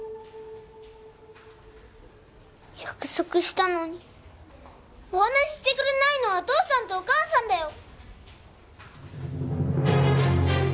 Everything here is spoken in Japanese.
約束したのにお話してくれないのはお父さんとお母さんだよ！